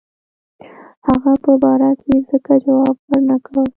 هغه په باره کې ځکه جواب ورنه کړ.